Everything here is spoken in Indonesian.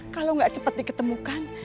kalau gak cepat diketemukan